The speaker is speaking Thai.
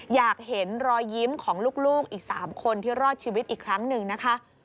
อยากเห็นรอยยิ้มของลูกอีก๓คนที่รอดชีวิตอีกครั้งหนึ่งนะคะ